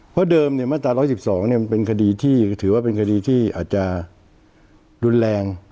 เพราะเดิมมาตรา๑๑๒มันเป็นคดีที่ถือว่าเป็นคดีที่อาจจะรุนแรง